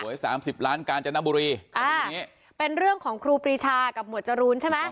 สามสิบล้านกาญจนบุรีอ่างี้เป็นเรื่องของครูปรีชากับหมวดจรูนใช่ไหม